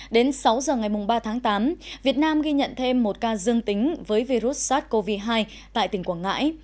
đến sáu giờ ngày ba tháng tám việt nam ghi nhận thêm một ca dương tính với virus sars cov hai tại tỉnh quảng ngãi